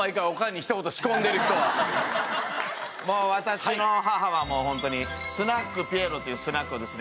もう私の母はホントにスナック菲絵絽というスナックをですね